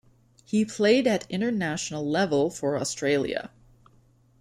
He played at international level for Australia.